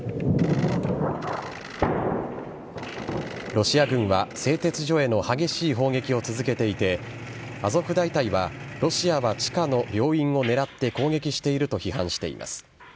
ロシア軍は製鉄所への激しい砲撃を続けていてアゾフ大隊は、ロシアは地下の病院を狙って攻撃していると批判しています。